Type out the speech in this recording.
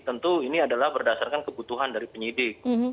tentu ini adalah berdasarkan kebutuhan dari penyidik